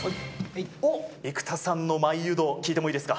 生田さんのマイ湯道、聞いてもいいですか。